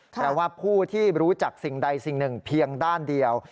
แต่ว่าผู้ที่รู้จักสิ่งใดสิ่งหนึ่งเพียงด้านเดียว